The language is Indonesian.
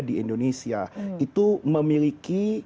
di indonesia itu memiliki